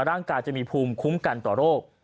ร่างกายจะมีภูมิคุ้มกันต่อโรค